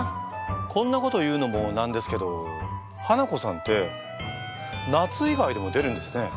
こんなこと言うのも何ですけどハナコさんって夏以外でも出るんですね。